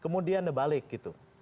kemudian dia balik gitu